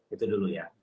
itu dulu ya